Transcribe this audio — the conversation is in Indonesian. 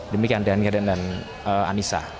demikian dengan anissa